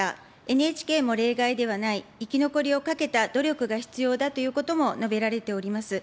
ＮＨＫも例外ではない、生き残りをかけた努力が必要だということも述べられております。